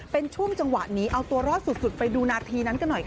เป็นช่วงจังหวะนี้เอาตัวรอดสุดไปดูนาทีนั้นกันหน่อยค่ะ